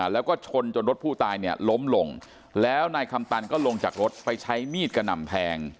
แล้วก็ชนจนรถผู้ตายเนี่ยล้มลงแล้วนายคำตันก็ลงจากรถไปใช้มีดกระหน่ำแทง